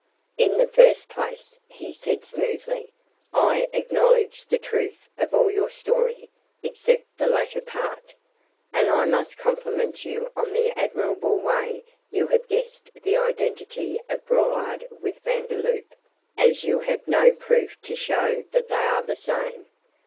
'In the first place,' he said, smoothly, 'I acknowledge the truth of all your story except the latter part, and I must compliment you on the admirable way you have guessed the identity of Braulard with Vandeloup, as you have no proof to show that they are the same.